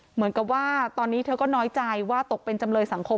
เหมือนกับว่าตอนนี้เธอก็น้อยใจว่าตกเป็นจำเลยสังคม